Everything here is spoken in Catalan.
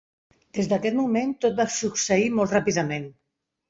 Des d'aquest moment tot va succeir molt ràpidament.